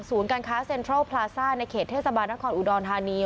การค้าเซ็นทรัลพลาซ่าในเขตเทศบาลนครอุดรธานี